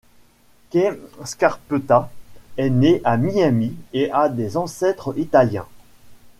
Kay Scarpetta est née à Miami et a des ancêtres italiens.